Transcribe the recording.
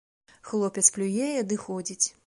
Хлопец плюе і адыходзіць.